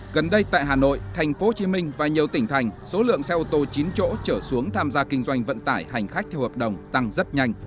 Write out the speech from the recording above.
gần đây tại hà nội tp hcm và nhiều tỉnh thành số lượng xe ô tô chín chỗ trở xuống tham gia kinh doanh vận tải hành khách theo hợp đồng tăng rất nhanh